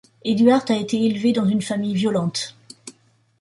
Eduart a été élevé dans une famille violente.